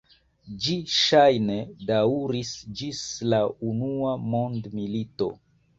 Ĝi ŝajne daŭris ĝis la unua mondmilito.